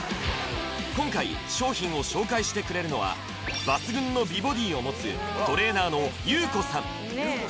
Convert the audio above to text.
今回商品を紹介してくれるのは抜群の美ボディーをもつトレーナーのＹＵＫＯさん